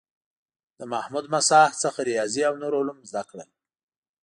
له محمود مساح څخه ریاضي او نور علوم زده کړل.